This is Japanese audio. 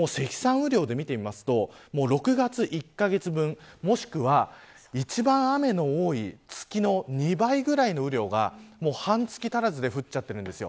雨量で見てみますと６月、１カ月分もしくは一番雨の多い月の２倍ぐらいの雨量が半月足らずで降っちゃっているんです。